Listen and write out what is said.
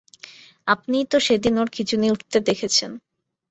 আপনিই তো সেদিন ওর খিঁচুনি উঠতে দেখেছেন।